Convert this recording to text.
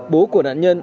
bố của nạn nhân